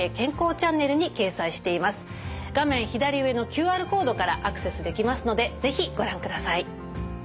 左上のＱＲコードからアクセスできますので是非ご覧ください。